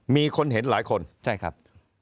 มีคนเห็นหลายคนใช่ครับ